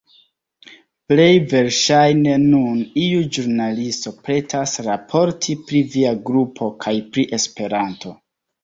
Plej verŝajne nun iu ĵurnalisto pretas raporti pri via grupo kaj pri Esperanto.